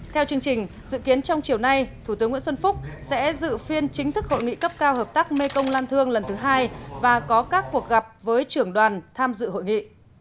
theo chương trình dự kiến trong chiều nay thủ tướng nguyễn xuân phúc sẽ dự phiên chính thức hội nghị cấp cao hợp tác mê công lan thương lần thứ hai và có các cuộc gặp với trưởng đoàn tham dự hội nghị